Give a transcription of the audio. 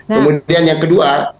kemudian yang kedua